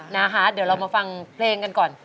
นะคะเดี๋ยวเรามาฟังเพลงกันก่อน